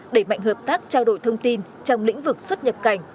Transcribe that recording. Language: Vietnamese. đẩy mạnh hợp tác trao đổi thông tin trong lĩnh vực xuất nhập cảnh